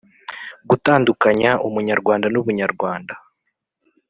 gutandukanya umunyarwanda n ubunyarwanda